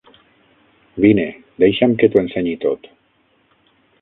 Vine, deixa'm que t'ho ensenyi tot.